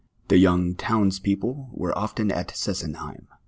The young towns people were often at Sesenheim.